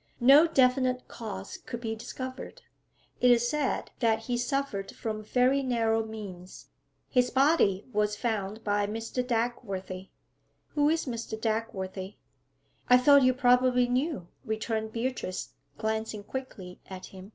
No definite cause could be discovered. It is said that he suffered from very narrow means. His body was found by Mr. Dagworthy.' 'Who is Mr. Dagworthy?' 'I thought you probably knew,' returned Beatrice, glancing quickly at him.